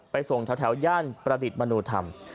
ไปส่งแถวย่านประดิษฐ์มนุษย์ทำ